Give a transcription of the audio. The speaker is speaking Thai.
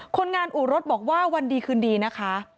คนงานอู่รถบอกว่าวันดีคืนดีนะคะ